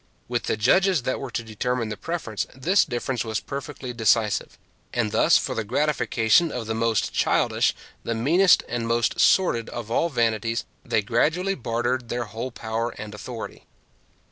With the judges that were to determine the preference, this difference was perfectly decisive; and thus, for the gratification of the most childish, the meanest, and the most sordid of all vanities they gradually bartered their whole power and authority.